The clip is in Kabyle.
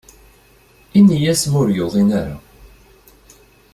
Ini-as ma ur yuḍin ara.